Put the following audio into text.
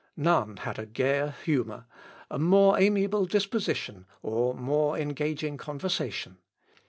None had a gayer humour, a more amiable disposition, or more engaging conversation.